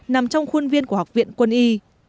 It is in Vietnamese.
nằm trong khuôn viên của học viện quân y